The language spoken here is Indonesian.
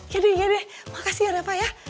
yadeh makasih ya reva ya